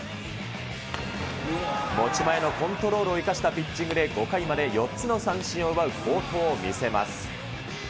持ち前のコントロールを生かしたピッチングで、５回まで４つの三振を奪う好投を見せます。